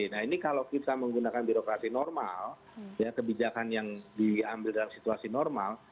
nah ini kalau kita menggunakan birokrasi normal ya kebijakan yang diambil dalam situasi normal